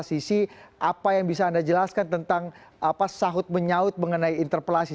sisi apa yang bisa anda jelaskan tentang sahut menyaut mengenai interpelasi